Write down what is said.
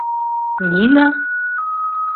Нина?